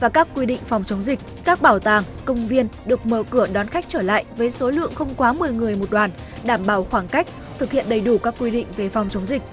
các bảo tàng công viên được mở cửa đón khách trở lại với số lượng không quá một mươi người một đoàn đảm bảo khoảng cách thực hiện đầy đủ các quy định về phòng chống dịch